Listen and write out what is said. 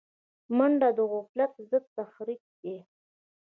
منډه د غفلت ضد تحرک دی